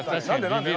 何で？